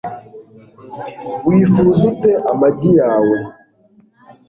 wifuza ute amagi yawe